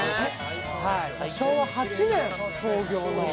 「昭和８年創業の」